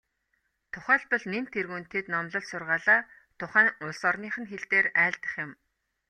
Тухайлбал, нэн тэргүүнд тэд номлол сургаалаа тухайн улс орных нь хэл дээр айлдах юм.